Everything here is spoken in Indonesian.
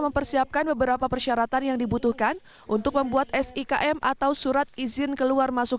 mempersiapkan beberapa persyaratan yang dibutuhkan untuk membuat sikm atau surat izin keluar masuk